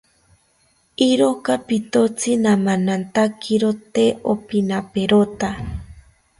Iroka pitotzi namanantakiro tee opinaperota